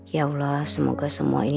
ya allah semoga semua ini